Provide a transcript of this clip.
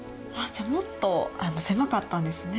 じゃあもっと狭かったんですね。